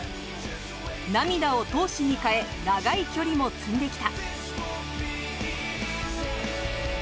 涙を闘志に変え、長い距離も積んできた。